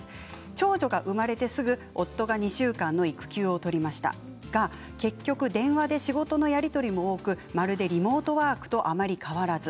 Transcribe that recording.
長女が生まれてすぐ夫が２週間の育休を取りましたが結局、電話で仕事のやり取りも多く、まるでリモートワークとあまり変わらず。